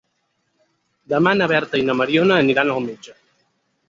Demà na Berta i na Mariona aniran al metge.